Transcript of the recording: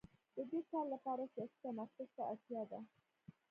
د دې کار لپاره سیاسي تمرکز ته اړتیا ده.